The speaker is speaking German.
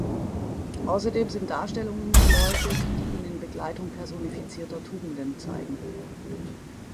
Außerdem sind Darstellungen geläufig, die ihn in Begleitung personifizierter Tugenden zeigen.